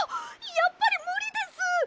やっぱりむりです！